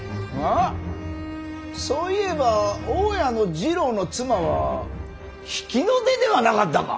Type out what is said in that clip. あっそういえば大谷次郎の妻は比企の出ではなかったか。